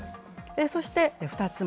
そして、２つ目。